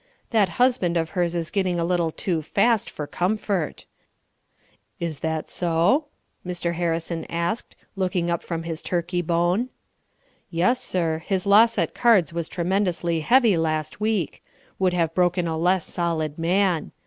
"That husband of hers is getting a little too fast for comfort." "Is that so?" Mr. Harrison asked, looking up from his turkey bone. "Yes, sir; his loss at cards was tremendously heavy last week; would have broken a less solid man.